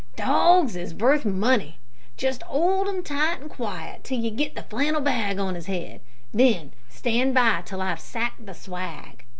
"Dogs is vurth munny. Just 'old 'im tight and quiet till you get the flannel bag on 'is head, and then stand by till I've sacked the swag."